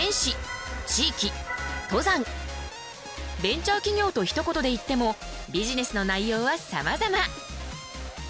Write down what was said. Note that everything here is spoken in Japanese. ベンチャー企業とひと言で言ってもビジネスの内容はさまざま。